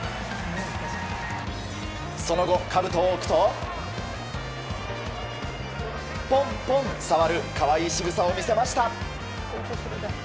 その後、かぶとを置くとポンポン触る可愛いしぐさを見せました。